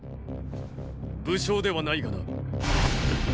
武将ではないがな。！